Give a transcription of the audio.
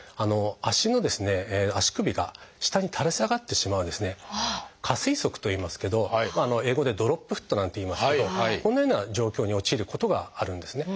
足の足首が下に垂れ下がってしまう「下垂足」といいますけど英語では「ドロップフット」なんていいますけどこんなような状況に陥ることがあるんですね。